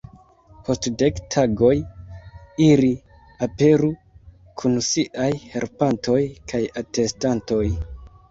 Post dek tagoj ili aperu kun siaj helpantoj kaj atestantoj!